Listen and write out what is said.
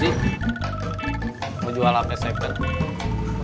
cik mau jual hape second